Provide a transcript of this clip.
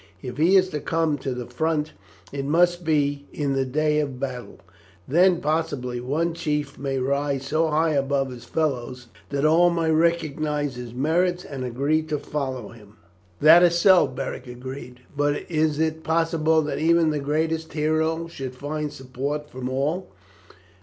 If he is to come to the front it must be in the day of battle. Then, possibly, one chief may rise so high above his fellows that all may recognize his merits and agree to follow him." "That is so," Beric agreed; "but is it possible that even the greatest hero should find support from all?